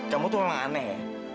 kamu tuh emang aneh ya